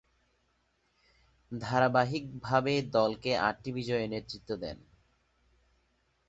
ধারাবাহিকভাবে দলকে আটটি বিজয়ে নেতৃত্ব দেন।